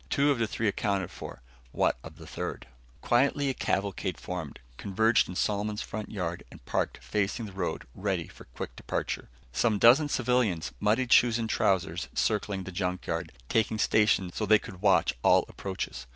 Two of the three accounted for. What of the third? Quietly a cavalcade formed, converged in Solomon's front yard and parked facing the road ready for quick departure. Some dozen civilians muddied shoes and trousers circling the junk yard, taking stations so they could watch all approaches.